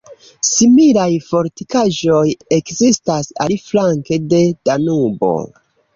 Similaj fortikaĵoj ekzistas aliflanke de Danubo.